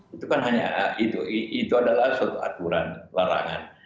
itu kan hanya itu adalah suatu aturan larangan